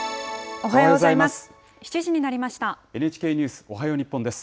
おはようございます。